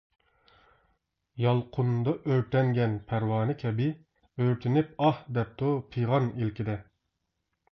يالقۇندا ئۆرتەنگەن پەرۋانە كەبى، ئۆرتىنىپ ئاھ دەپتۇ پىغان ئىلكىدە.